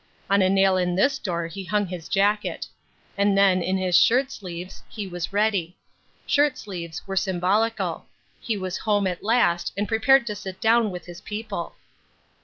On a nail in this door he hung his jacket. And then, in his shirt sleeves, he was ready. Shirt sleeves were symbolical. He was home at last, and prepared to sit down with his people.